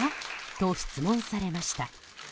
と質問されました。